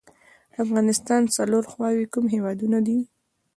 د افغانستان څلور خواوې کوم هیوادونه دي؟